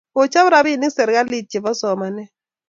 Kochap rapinik serkalit chepo somanet